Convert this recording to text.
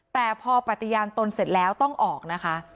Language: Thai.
แต่พอปฏิญาณตนเสร็จแล้วต้องออกนะคะ